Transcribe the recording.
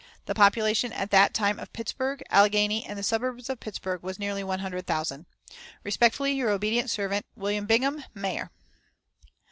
The population at that time of Pittsburgh, Alleghany, and the suburbs of Pittsburgh, was nearly one hundred thousand. "Respectfully, your obedient servant, "WM. BINGHAM, Mayor."